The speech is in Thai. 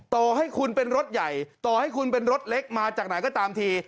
ต่อให้คุณเป็นรถใหญ่ต่อให้คุณเป็นรถเล็กมาจากไหนก็ตามที